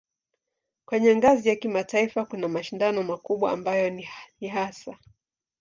Kwenye ngazi ya kimataifa kuna mashindano makubwa ambayo ni hasa